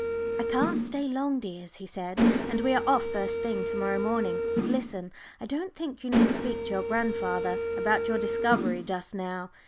"I can't stay long, dears," he said, "and we are off first thing to morrow morning. But listen; I don't think you need speak to your grandfather about your discovery just now.